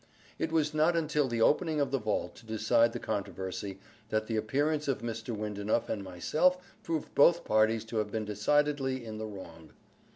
It was not until the opening of the vault to decide the controversy, that the appearance of Mr. Windenough and myself proved both parties to have been decidedly in the wrong.